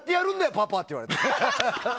パパって言われた。